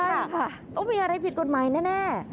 ค่ะต้องมีอะไรผิดกฎหมายแน่